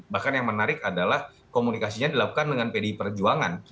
bahkan yang menarik adalah komunikasinya dilakukan dengan pdi perjuangan